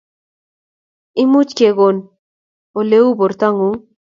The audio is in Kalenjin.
Imuch kokonin Ole uu bortongung?